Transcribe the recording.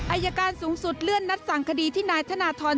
อายการสูงสุดเลื่อนนัดสั่งคดีที่นายธนทร